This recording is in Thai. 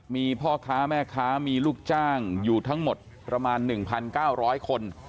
มีพ่อค้าแม่ค้ามีลูกจ้างอยู่ทั้งหมดประมาณ๑๙๐๐คน